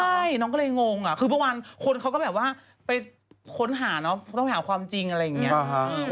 ใช่น้องก็เลยงงอะคือพระวันเขาก็แบบว่าไปค้นหาเนอะไปถามความจริงอะไรอย่างเงี้ย